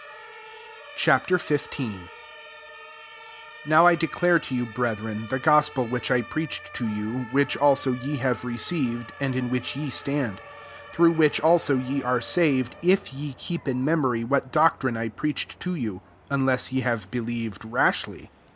Ch. XV. 1 NOW I declare to you, brethren, the gospd which I preached to you, which also ye have received, and in which ye stand; 2 through whidi also ye are saved, if ye ketp ]& memory what doctrine I preilSH ed to you : unless ye have be lieved rashly.